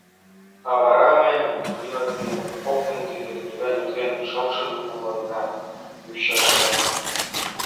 А вара ме Людмила дене коктын тиде книга нерген шокшын мутланена, ӱчашена.